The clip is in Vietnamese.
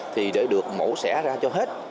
thì để được mổ xẻ ra cho hết